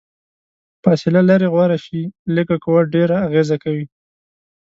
فاصله لرې غوره شي، لږه قوه ډیره اغیزه کوي.